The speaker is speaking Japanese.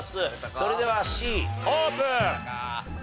それではＣオープン。